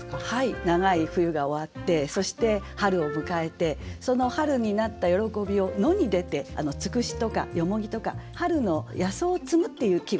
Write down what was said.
長い冬が終わってそして春を迎えてその春になった喜びを野に出てつくしとかよもぎとか春の野草を摘むっていう季語ですね。